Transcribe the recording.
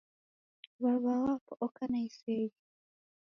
W'aw'a wapo oka na iseghe